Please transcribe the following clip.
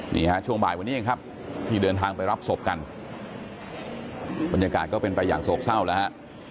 นี่ฮะช่วงบ่ายวันนี้เองครับที่เดินทางไปรับศพกันบรรยากาศก็เป็นไปอย่างโศกเศร้าแล้วฮะ